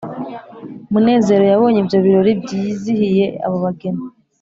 munezero yabonye ibyo birori byizihiye abo bageni,